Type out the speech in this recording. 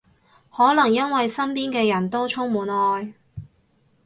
可能因為身邊嘅人到充滿愛